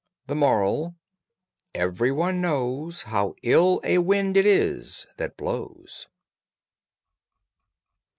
THE MORAL: Everybody knows How ill a wind it is that blows.